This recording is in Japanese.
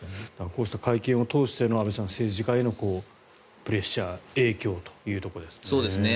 こうした会見を通しての政治家へのプレッシャー影響というところですね。